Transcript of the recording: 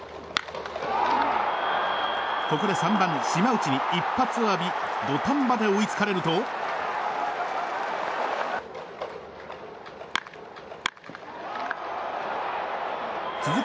ここで３番、島内に一発を浴び土壇場で追いつかれると続く